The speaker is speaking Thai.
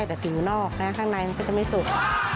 แต่ผิวนอกนะข้างในมันก็จะไม่สุก